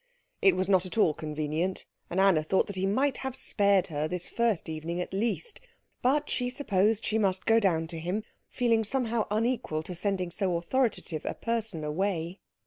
It was not at all convenient; and Anna thought that he might have spared her this first evening at least. But she supposed that she must go down to him, feeling somehow unequal to sending so authoritative a person away.